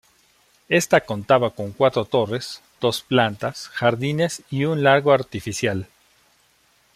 Ésta contaba con cuatro torres, dos plantas, jardines y un lago artificial.